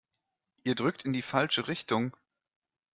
Ihr drückt in die falsche Richtung!